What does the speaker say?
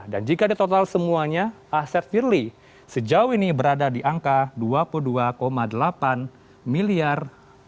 dan jika di total semuanya aset firly sejauh ini berada di angka rp dua puluh dua delapan miliar